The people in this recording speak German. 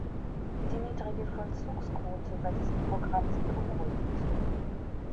Die niedrige Vollzugsquote bei diesem Programm ist beunruhigend.